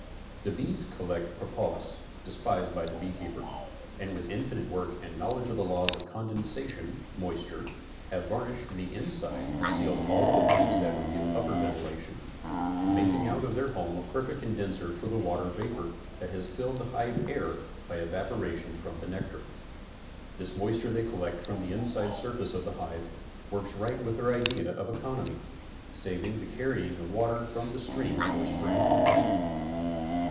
The bees collect propolis (despised by the beekeeper) and with infinite work and a knowledge of the laws of condensation cf moisture, have varnished the inside, sealed all openings that would give upper ventilation, making out of their home a perfect condenser for the water vapor that has filled the hive air by evaporation from the nectar. This moisture they collect from the inside surface of the hive, works right in with their idea of econ omy, saving the carrying of water from the stream or spring.